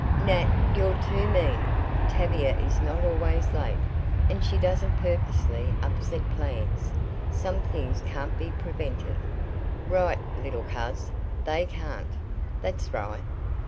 "Nat, you're too mean Tavia is not always late, and she doesn't purposely upset plans. Some things can't be prevented." "Right, little coz, they can't. That's right.